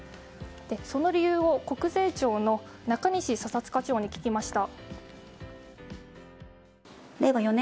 その理由を国税庁の中西査察課長に聞きました。